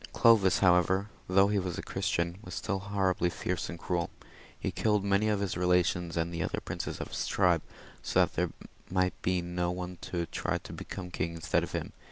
Clovis, however, though he was a Christian, was still horribly fierce and cruel. He killed many of his relations and the other princes of his tribe, so that there might be no one to try to become king instead of him.